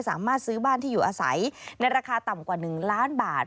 สามารถซื้อบ้านที่อยู่อาศัยในราคาต่ำกว่า๑ล้านบาท